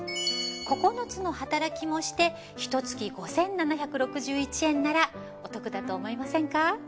９つの働きもしてひと月５，７６１円ならお得だと思いませんか？